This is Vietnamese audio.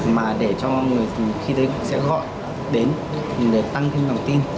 mà để cho người khi đấy sẽ gọi đến để tăng thêm lòng tin